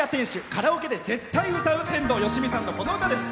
カラオケで絶対歌う天童よしみさんの、この歌です。